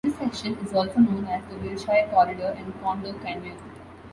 This section is also known as the Wilshire Corridor and Condo Canyon.